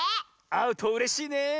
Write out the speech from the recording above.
あうとうれしいねえ。